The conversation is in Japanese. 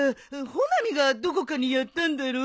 穂波がどこかにやったんだろ。